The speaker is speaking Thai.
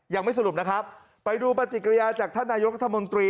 ยังไม่สรุปนะครับไปดูปฏิกิริยาจากท่านนายกรัฐมนตรี